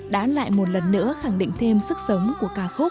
đã lại một lần nữa khẳng định thêm sức sống của ca khúc